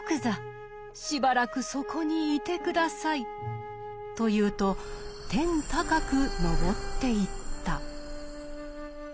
しばらくそこにいて下さい」と言うと天高くのぼっていった。